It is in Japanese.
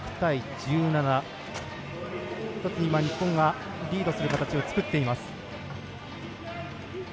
１つ今、日本がリードする形を作っています。